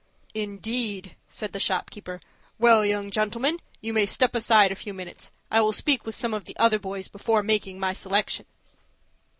"Indeed!" said the shop keeper. "Well, young gentleman, you may step aside a few minutes. I will speak with some of the other boys before making my selection."